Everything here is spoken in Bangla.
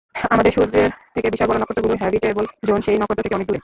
আমাদের সূর্যের থেকে বিশাল বড় নক্ষত্রগুলোর হ্যাবিটেবল জোন সেই নক্ষত্র থেকে অনেক দূরে।